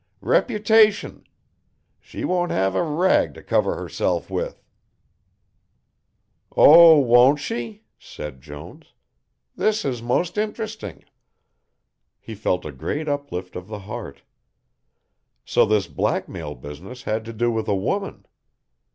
Reputation! she won't have a rag to cover herself with." "Oh, won't she?" said Jones. "This is most interesting." He felt a great uplift of the heart. So this blackmail business had to do with a woman.